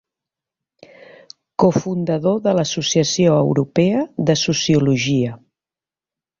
Cofundador de l'Associació Europea de Sociologia.